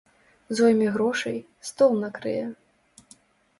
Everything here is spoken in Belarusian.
Зойме грошай, стол накрые.